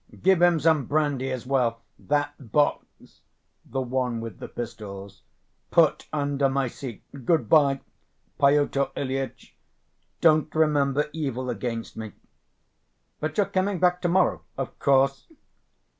Give him some brandy as well! That box" (the one with the pistols) "put under my seat. Good‐by, Pyotr Ilyitch, don't remember evil against me." "But you're coming back to‐morrow?" "Of course."